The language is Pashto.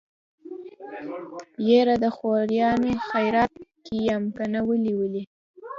يره د خوريانو خيرات کې يم کنه ولې ولې.